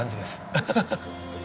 アハハッ。